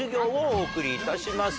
お願いいたします。